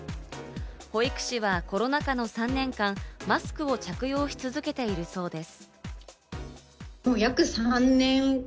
保育士はコロナ禍の３年間、マスクを着用し続けているそうです。